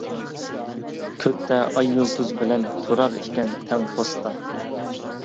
كۆكتە ئاي يۇلتۇز بىلەن، تۇرار ئىكەن تەڭ پوستا.